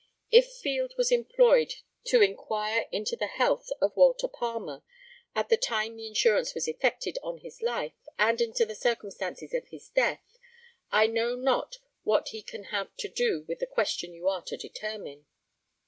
If Field was employed ta inquire into the health of Walter Palmer at the time the insurance was effected on his life, and into the circumstances of his death, I know not what he can have to do with the question you are to determine.